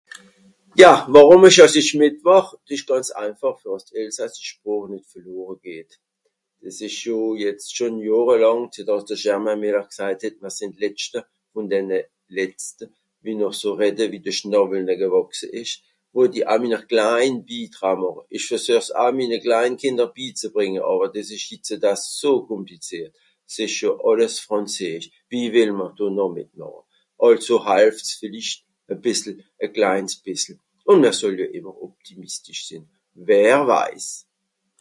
"Ja ! Worùm ìsch àss ìch mìtmàch. Dìs ìsch gànz einfàch, dàss d'elsassich Sproch nìt verlore geht. Es ìsch jo jetz schon johrelàng zetter àss de Germain Müller gsajt het ""Mìr sìnn d'letschte, vùn denne Letzte, wie noch so redde wie de Schnàwwel ne gewàchse ìsch"". Wott i aa minner klein Bitraa màche. Ìch versuech's aa minne klein Kìnder bizebrìnge, àwer dìs ìsch hitzedaa so kùmplizìert. S'ìsch jo àlles frànzeesch. Wie wìll mr do (...). Àlso halft's vìllicht e bìssel, e kleins bìssel. Ùn mìr sotte ìmmer optimistisch sìnn. Wer weis ?"